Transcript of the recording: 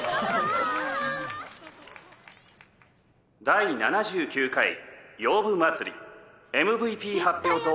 「第７９回洋舞祭り」ＭＶＰ発表と。